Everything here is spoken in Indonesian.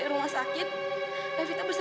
ya udah kita bisa